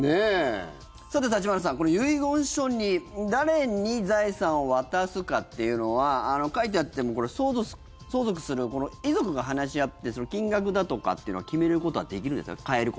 橘さん、遺言書に誰に財産を渡すかというのは書いてあっても相続する遺族が話し合って金額だとかというのは決めることはできるんですか？